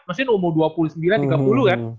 mesin umur dua puluh sembilan tiga puluh kan